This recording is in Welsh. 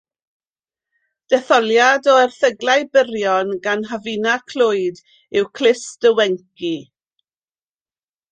Detholiad o erthyglau byrion gan Hafina Clwyd yw Clust y Wenci.